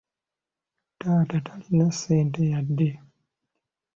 Taata talina ssente yadde.